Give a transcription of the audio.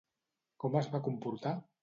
Com es va comportar?